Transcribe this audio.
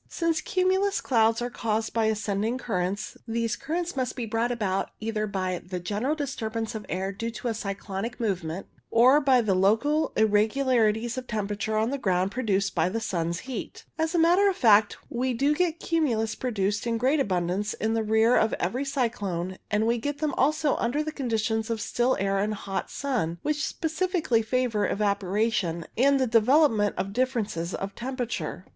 Since cumulus clouds are caused by ascending currents, these currents must be brought about either by the general disturbance of the air due to a cyclonic movement, or by the local irregularities of tempera ture on the ground produced by the sun's heat. As a matter of fact) we do get cumulus produced in great abundance in the rear of every cyclone, and we get them also under the conditions of still air and hot sun, which specially favour evaporation and the development of differences of temperature.